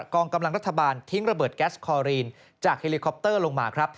กองกำลังรัฐบาลทิ้งระเบิดแก๊สคอรีนจากเฮลิคอปเตอร์ลงมาครับ